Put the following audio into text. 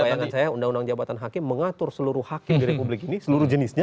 bayangan saya undang undang jabatan hakim mengatur seluruh hakim di republik ini seluruh jenisnya